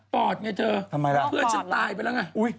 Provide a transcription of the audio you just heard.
ปอดไงเธอเพื่อนชั้นตายไปแล้วไง